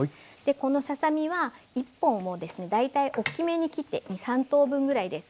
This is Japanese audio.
このささ身は一本を大体大きめに切って２３等分ぐらいです。